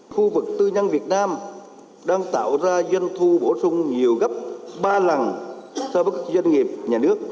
khu vực tư nhân việt nam đang tạo ra doanh thu bổ sung nhiều gấp ba lần so với doanh nghiệp nhà nước